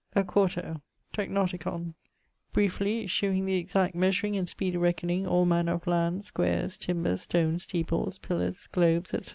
(A 4to) 'Tectonicon, briefly shewing the exact measuring and speedy reckoning all manner of land, squares, timber, stone, steeples, pillars, globes, etc.